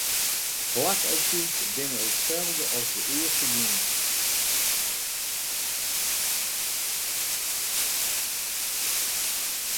Plak en tiid binne itselde as de earste jûns.